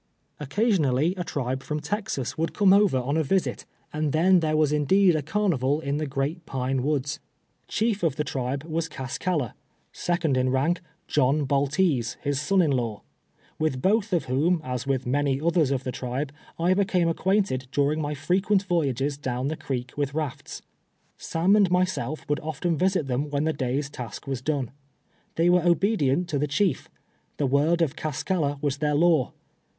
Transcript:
Occasionally a tribe from Texas would come over on CASCALLA AND HIS TRIBE. 101 a visit, and tlien tliere "svas indeed a carnival in the " Great Pine Woods/' Chief of the tribe was Cas caHa ; second in raidc, Jolm Baltese, liis son in law ; with Loth of whom, as with many others of the tribe, I became acquainted during my frcqiient voyages down tlie creek with rafts. Sam and' myself would often visit them when the day's task was don'e." They were obedient to the chief; the word of Cascalla w^as their law.